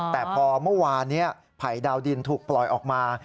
แต่พอเมื่อวานนี้ไผ่ดาวดินถูกปล่อยออกมา